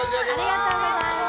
ありがとうございます。